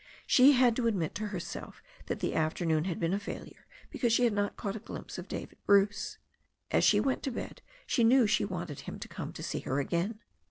She had to admit to herself that the afternoon had been a failure because she had not caught a glimpse of David Bruce. As she went to bed she knew she wanted him to come to see her again.